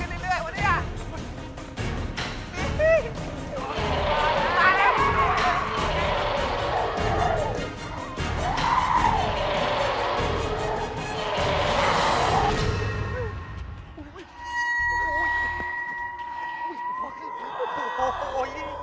โอ๊ยแม่มันอึดอย่างนี้วะเนี่ย